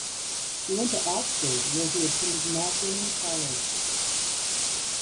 He went to Oxford where he attended Magdalen College.